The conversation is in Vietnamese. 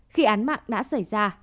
khi án mạng đã xảy ra